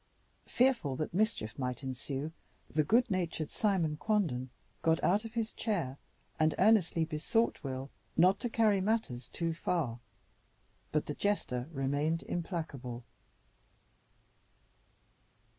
Fearful that mischief might ensue, the good natured Simon Quanden got out of his chair and earnestly besought Will not to carry matters too far; but the jester remained implacable.